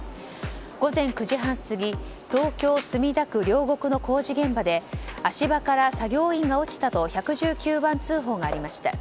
午前９時半過ぎ東京・墨田区両国の工事現場で足場から作業員が落ちたと１１９番通報がありました。